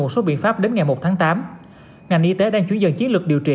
một số biện pháp đến ngày một tháng tám ngành y tế đang chuyển dần chiến lược điều trị